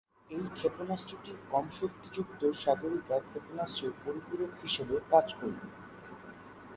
এই ক্ষেপণাস্ত্রটি কম শক্তি যুক্ত সাগরিকা ক্ষেপণাস্ত্রের পরিপূরক হিসাবে কাজ করবে।